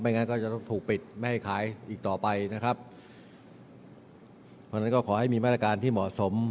เพราะฉะนั้นก็ขอให้มีมาตรการที่เหมาะสม